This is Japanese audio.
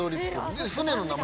で船の名前